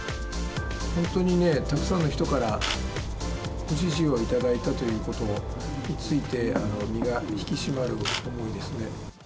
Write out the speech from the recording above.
本当にね、たくさんの人からご支持をいただいたということについて、身が引き締まる思いですね。